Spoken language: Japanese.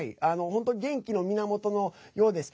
本当に元気の源のようです。